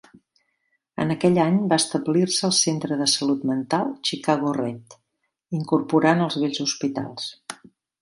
En aquell any va establir-se el Centre de Salut Mental Chicago-Read, incorporant els vells hospitals.